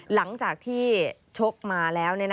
หลังจากที่ชกมาแล้ว